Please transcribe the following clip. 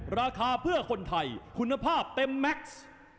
ราคาเพื่อคนไทยคุณภาพเต็มแม็กซ์